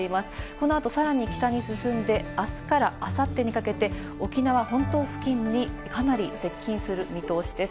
この後さらに北に進んで、あすからあさってにかけて、沖縄本島付近にかなり接近する見通しです。